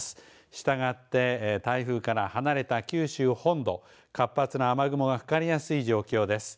したがって台風から離れた九州本土活発な雨雲がかかりやすい状況です。